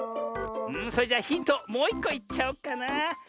それじゃヒントもういっこいっちゃおうかな。